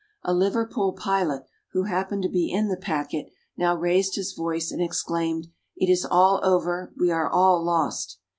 A Liverpool pilot, who happened to be in the packet, now raised his voice and exclaimed, "It is all over we are all lost!"